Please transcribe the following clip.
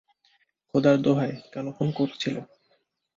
খোদার দোহাই, কেন ফোন করেছিল?